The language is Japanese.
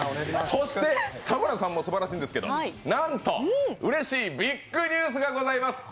そして田村さんもすばらしいんですけど、なんとうれしいビッグニュースがございます。